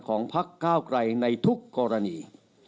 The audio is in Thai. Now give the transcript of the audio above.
ของพักก้าวกลายในทุกกรณี